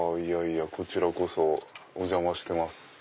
こちらこそお邪魔してます。